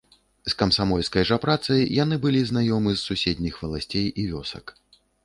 З камсамольскай жа працай яны былі знаёмы з суседніх валасцей і вёсак.